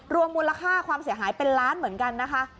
รวมมูลค่าความเสียหายเป็นล้านเหมือนกันนะคะ